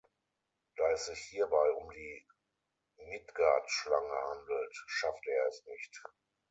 Da es sich hierbei um die Midgardschlange handelt, schafft er es nicht.